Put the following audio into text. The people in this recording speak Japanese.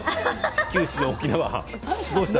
九州、沖縄どうした？